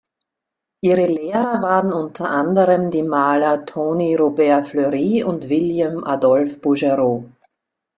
Ihre Lehrer waren unter anderem die Maler Tony Robert-Fleury und William Adolphe Bouguereau.